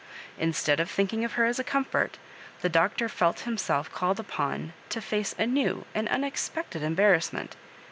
Instead of thinking of her as a comfort, the Doctor felt himself called upon to face a new and unexpected embarrass ment.